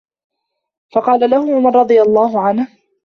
فَقَالَ لَهُ عُمَرُ رَضِيَ اللَّهُ عَنْهُ